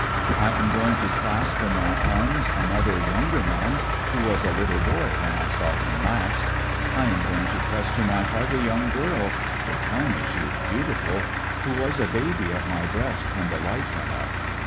I am going to clasp in my arms another, younger man who was a little boy when I saw him last. I am going to press to my heart a young girl— they tell me she is beautiful— who was a baby at my breast when the light went out.